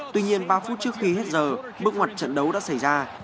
tuy nhiên ba phút trước khi hết giờ bước ngoặt trận đấu đã xảy ra